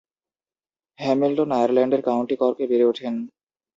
Hamilton আয়ারল্যান্ডের county কর্কে বেড়ে ওঠেন।